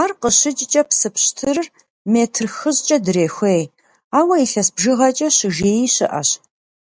Ар къыщикӀкӀэ, псы пщтырыр метр хыщӏкӀэ дрехуей, ауэ илъэс бжыгъэкӀэ «щыжеи» щыӀэщ.